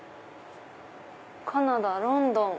カナダロンドン！